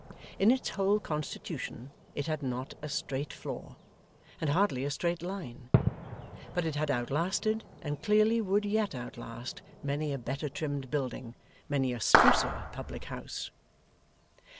In its whole constitution it had not a straight floor, and hardly a straight line; but it had outlasted, and clearly would yet outlast, many a better trimmed building, many a sprucer public house.